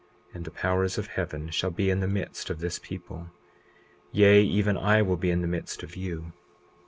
And the powers of heaven shall be in the midst of this people; yea, even I will be in the midst of you.